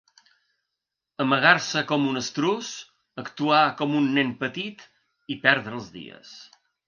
Amagar-se com un estruç’, actuar ‘com un nen petit’ i ‘perdre els dies’